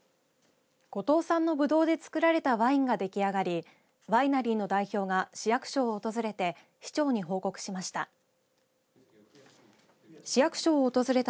五島産のぶどうで造られたワインが出来上がりワイナリーの代表が市役所を訪れて市長に報告しました。